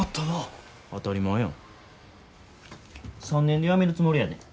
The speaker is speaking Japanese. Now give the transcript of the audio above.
３年で辞めるつもりやで。